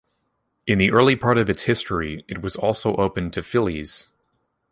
In the early part of its history it was also open to fillies.